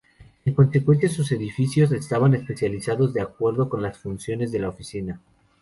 En consecuencia, sus edificios estaban especializados de acuerdo con las funciones de la oficina.